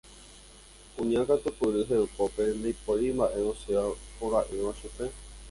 Kuña katupyry hekópe ndaipóri mba'e osẽ porã'ỹva chupe.